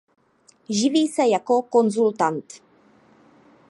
Živí se jako konzultant.